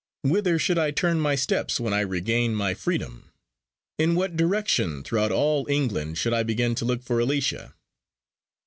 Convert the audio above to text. Whither should I turn my steps when I regained my freedom? In what direction throughout all England should I begin to look for Alicia?